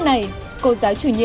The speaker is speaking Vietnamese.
mãi mãi của